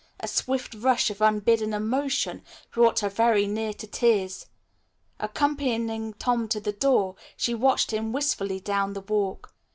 A swift rush of unbidden emotion brought her very near to tears. Accompanying Tom to the door, she watched him wistfully down the walk.